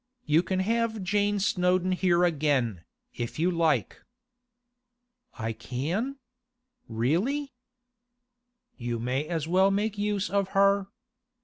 You can have Jane Snowdon here again, if you like.' 'I can? Really?' 'You may as well make use of her.